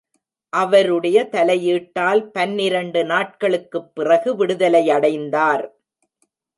அவருடைய தலையீட்டால் பனிரெண்டு நாட்களுக்குப் பிறகு விடுதலையடைந்தார்.